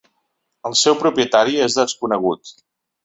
El seu propietari és desconegut.